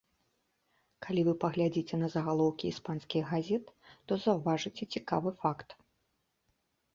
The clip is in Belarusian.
Калі вы паглядзіце на загалоўкі іспанскіх газет, то заўважыце цікавы факт.